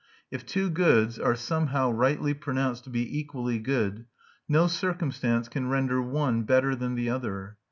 If two goods are somehow rightly pronounced to be equally good, no circumstance can render one better than the other.